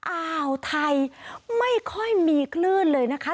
อ่าวไทยไม่ค่อยมีคลื่นเลยนะคะ